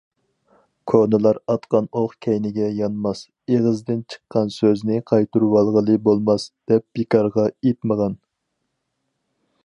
كونىلار‹‹ ئاتقان ئوق كەينىگە يانماس، ئېغىزدىن چىققان سۆزنى قايتۇرۇۋالغىلى بولماس›› دەپ بىكارغا ئېيتمىغان.